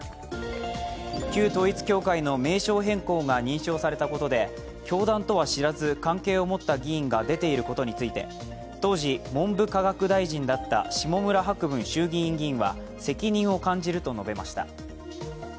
旧統一教会の名称変更が認証されたことで教団とは知らず関係を持った議員が出ていることについて当時、文部科学大臣だった下村博文衆議院議員は責任を感じると述べました。